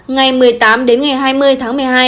ngày một mươi tám đến ngày hai mươi tháng một mươi hai